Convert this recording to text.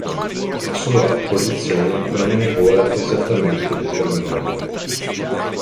La sua posizione non è ancora esattamente determinata.